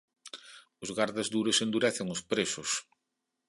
Os gardas duros endurecen os presos.